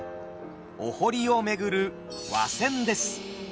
お堀を巡る和船です。